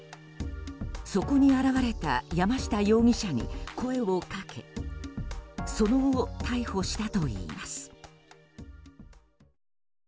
そこに現れた山下容疑者に声をかけその後、逮捕したといいます。